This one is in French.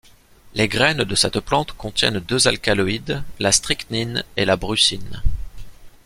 Les graines de cette plante contient deux alcaloïdes la strychnine et la brucine.